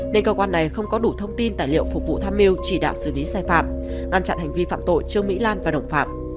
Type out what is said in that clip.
nên cơ quan này không có đủ thông tin tài liệu phục vụ tham mưu chỉ đạo xử lý sai phạm ngăn chặn hành vi phạm tội trương mỹ lan và đồng phạm